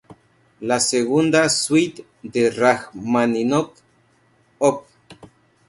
La "Segunda Suite" de Rajmáninov, op.